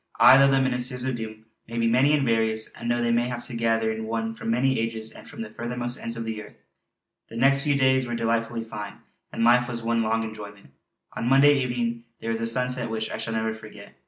Aye! though the Ministers of the Doom may be many and various, and though they may have to gather in one from many ages and from the furthermost ends of the earth!_" The next few days were delightfully fine, and life was one long enjoyment. On Monday evening there was a sunset which I shall never forget.